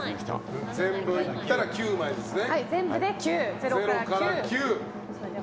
全部いったら９枚ですね。